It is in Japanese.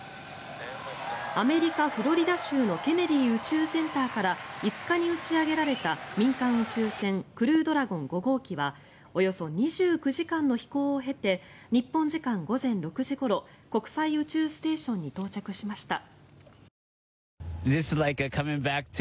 アメリカ・フロリダ州のケネディ宇宙センターから５日に打ち上げられた民間宇宙船クルードラゴン５号機はおよそ２９時間の飛行を経て日本時間午前６時ごろ国際宇宙ステーションに到着しました。